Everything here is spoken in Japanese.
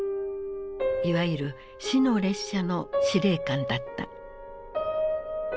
いわゆる「死の列車」の司令官だった。